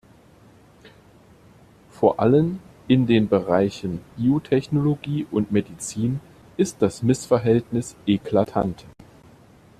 Vor allen in den Bereichen Biotechnologie und Medizin ist das Missverhältnis eklatant.